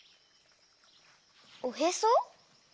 おへそ？